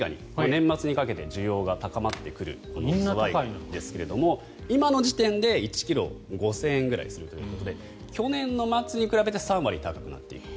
年末にかけて需要が高まってくるズワイガニですが今の時点で１ｋｇ５０００円ぐらいするということで去年の末にかけて３割高くなっている。